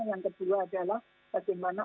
yang kedua adalah bagaimana